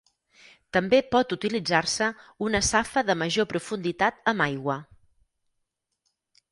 També pot utilitzar-se una safa de major profunditat amb aigua.